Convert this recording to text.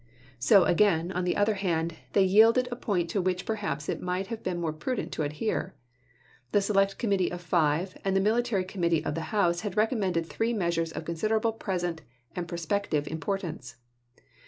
So, again, on the other hand, they yielded a point to which perhaps it might have been more prudent to adhere. The Select Committee of Five and the Military Committee of the House had recommended three measures of considerable present and pros pective importance.